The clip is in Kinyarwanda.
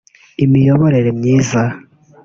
Imiyoborere myiza